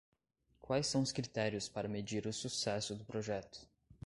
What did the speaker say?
Quais são os critérios para medir o sucesso do projeto?